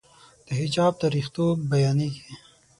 د حجاب تاریخيتوب بیانېږي.